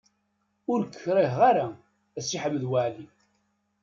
Ur k-kriheɣ ara a Si Ḥmed Waɛli.